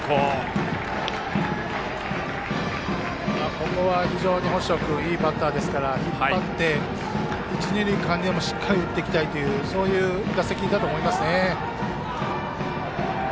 ここは星野君非常にいいバッターですから引っ張って一、二塁間へしっかり打っていきたいというそういう打席だと思いますね。